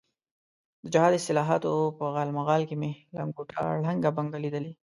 د جهاد اصطلاحاتو په غالمغال کې مې لنګوټه ړنګه بنګه لیدلې.